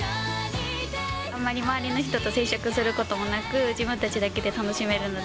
あんまり周りの人と接触することもなく、自分たちだけで楽しめるので。